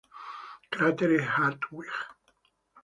Cratere Hartwig